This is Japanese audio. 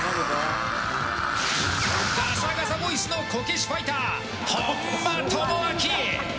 ガサガサボイスのこけしファイター・本間朋晃！